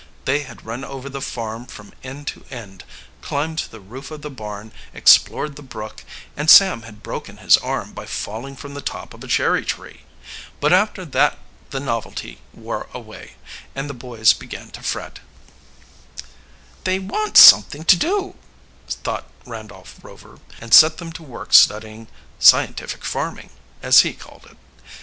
They had run over the farm from end to end, climbed to the roof of the barn, explored the brook, and Sam had broken his arm by falling from the top of a cherry tree. But after that the novelty wore away, and the boys began to fret. "They want something to do," thought Randolph Rover, and set them to work studying scientific farming, as he called it.